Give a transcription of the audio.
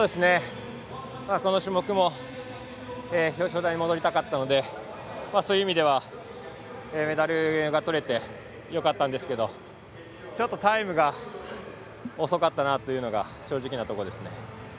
この種目も表彰台に戻りたかったのでそういう意味ではメダルがとれてよかったんですけどちょっとタイムが遅かったなというのが正直なところですね。